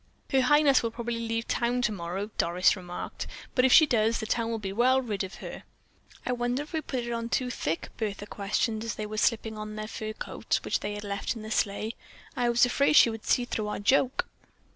"Her highness will probably leave town tomorrow," Doris remarked, "but if she does, the town will be well rid of her." "I wonder if we put it on too thick," Bertha questioned as they were slipping on their fur coats, which they had left in the sleigh. "I was afraid she would see through our joke."